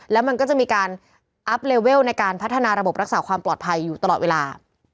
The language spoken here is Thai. แล้วมันก็จะมีการอัพเลเวลในการพัฒนาระบบรักษาความปลอดภัยอยู่ตลอดเวลา